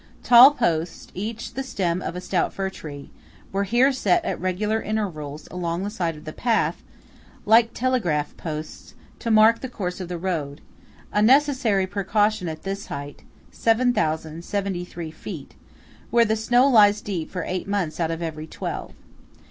Tall posts, each the stem of a stout fir tree, were here set at regular intervals along the side of the path, like telegraph posts, to mark the course of the road;–a necessary precaution at this height (7,073 feet) where the snow lies deep for eight months out of every twelve.